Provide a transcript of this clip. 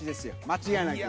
間違いなく。